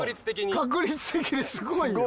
確率的にすごいよ。